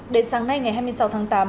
đến sáng nay ngày hai mươi sáu tháng tám